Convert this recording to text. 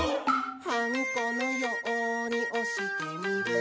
「はんこのようにおしてみる」